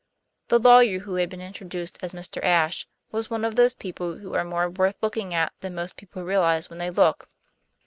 The lawyer, who had been introduced as Mr. Ashe, was one of those people who are more worth looking at than most people realize when they look.